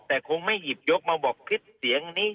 แต่คงไม่หยิบยกมาบอกคลิปเสียงนี้